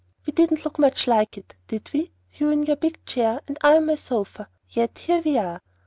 We didn't look much like it, did we, you in your big chair and I on my sofa? Yet here we are!